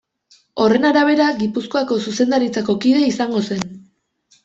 Horren arabera, Gipuzkoako Zuzendaritzako kide izango zen.